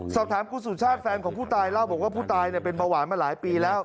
สอบถามคุณสุชาติแฟนของผู้ตายเล่าบอกว่าผู้ตายเป็นเบาหวานมาหลายปีแล้ว